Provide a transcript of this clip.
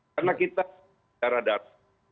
karena kita secara darat